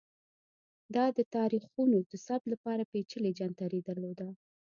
دا د تاریخونو د ثبت لپاره پېچلی جنتري درلوده